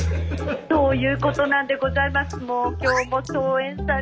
そういうことなんでございます。